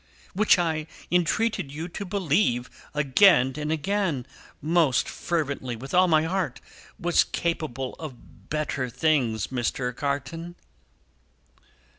"Which I entreated you to believe, again and again, most fervently, with all my heart, was capable of better things, Mr. Carton!"